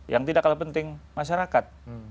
yang tidak kalah penting masyarakat